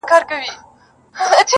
له کښتۍ سره مشغول وو په څپو کي.!